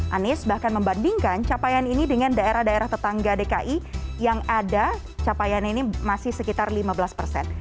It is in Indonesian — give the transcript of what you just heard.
anies bahkan membandingkan capaian ini dengan daerah daerah tetangga dki yang ada capaian ini masih sekitar lima belas persen